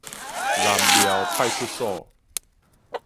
南苗派出所